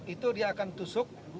itu dia akan tusuk